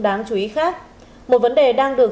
đáng chú ý khác một vấn đề đang được